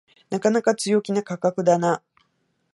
なかなか強気な価格だな